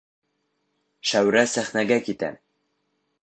Шәүрә сәхнәгә китә.